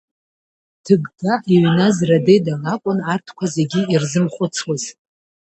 Дҭыгга иҩназ Радеда лакәын арҭқәа зегьы ирзымхәыцуаз.